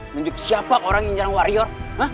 nunjuk siapa orang yang nyerang warior